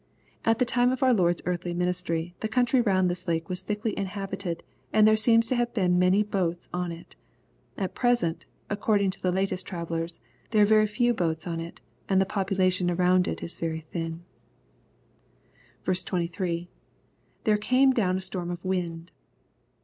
At the time of our Lord's earthly ministry, the country round this lake was thickly inhabited, and there seems to have been many boats on it At present^ according to the latest travellers, there are very few boats on it, and the population around it is very thin. 23. — [There canie down a storm of wmd.'